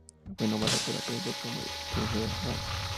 Fue nombrado por la prensa como el sucesor de Rain.